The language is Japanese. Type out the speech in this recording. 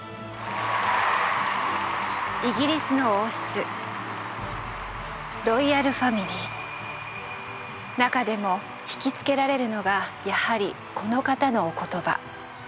イギリスの王室中でも惹きつけられるのがやはりこの方のお言葉。